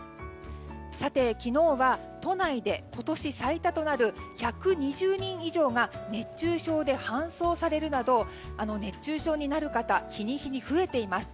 昨日は、都内で今年最多となる１２０人以上が熱中症で搬送されるなど熱中症になる方日に日に増えています。